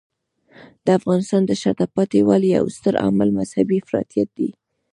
د افغانستان د شاته پاتې والي یو ستر عامل مذهبی افراطیت دی.